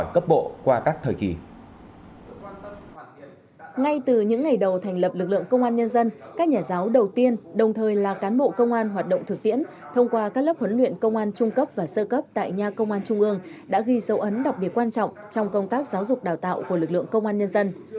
các nhà giáo đầu tiên đồng thời là cán bộ công an hoạt động thực tiễn thông qua các lớp huấn luyện công an trung cấp và sơ cấp tại nhà công an trung ương đã ghi sâu ấn đặc biệt quan trọng trong công tác giáo dục đào tạo của lực lượng công an nhân dân